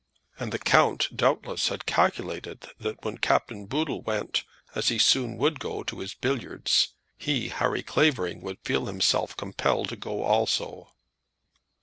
And the count, doubtless, had calculated that when Captain Boodle went, as he soon would go, to his billiards, he, Harry Clavering, would feel himself compelled to go also.